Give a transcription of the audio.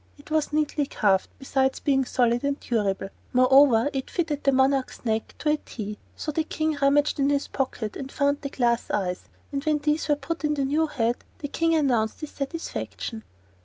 It was neatly carved, besides being solid and durable; moreover, it fitted the monarch's neck to the T. So the King rummaged in his pocket and found the glass eyes, and when these were put in the new head the King announced his satisfaction.